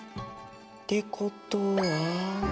ってことは。